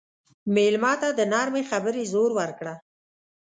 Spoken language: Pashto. مېلمه ته د نرمې خبرې زور ورکړه.